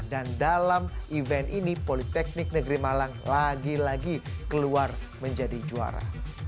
dan dalam event ini politeknik negeri malang lagi lagi keluar menjadi juara